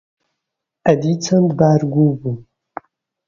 ئەدی چەند بار گوو بوو؟